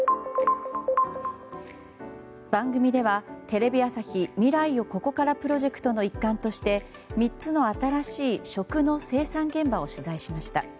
番組ではテレビ朝日未来をここからプロジェクトの一環として３つの新しい食の生産現場を取材しました。